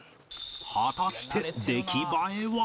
果たして出来栄えは？